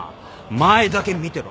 前だけ見てろ。